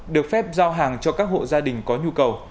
được phép giao hàng cho các hộ gia đình có nhu cầu